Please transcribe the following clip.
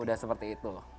udah seperti itu